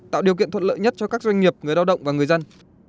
tạo điều kiện thuận lợi nhất cho các doanh nghiệp người lao động và người dân